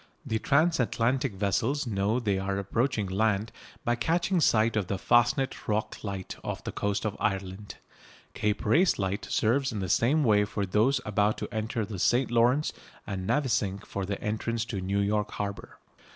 The transatlantic vessels know they are approaching land by catching sight of the Fastnet Rock light off the coast of Ireland. Cape Race light serves in the same way for those about to enter the St Lawrence and Navesink for the entrance to New York harbour.